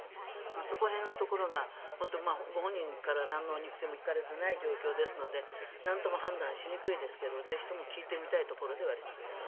そこら辺のところがご本人からなんの肉声も聞かれていない状況ですのでなんとも判断しにくいですがぜひとも聞いてみたいところではありますね。